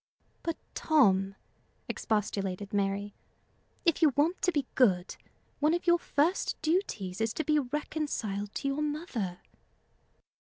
"But, Tom," expostulated Mary, "if you want to be good, one of your first duties is to be reconciled to your mother."